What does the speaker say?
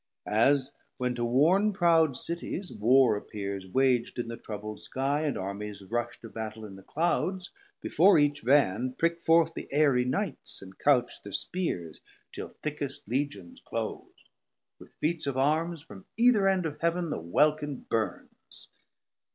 As when to warn proud Cities warr appears Wag'd in the troubl'd Skie, and Armies rush To Battel in the Clouds, before each Van Pric forth the Aerie Knights, and couch thir spears Till thickest Legions close; with feats of Arms From either end of Heav'n the welkin burns.